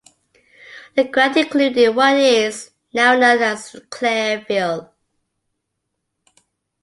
The grant included what is now known as Clareville.